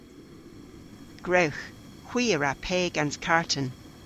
Gwrewgh. Hwi a wra pe gans karten.